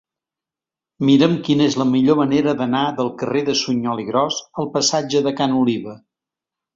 Mira'm quina és la millor manera d'anar del carrer de Suñol i Gros al passatge de Ca n'Oliva.